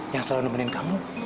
yang selalu nemenin kamu